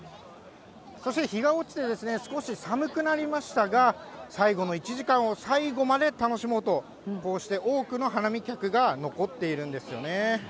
そして日が落ちて、少し寒くなりましたが、最後の１時間を最後まで楽しもうと、こうして多くの花見客が残っているんですよね。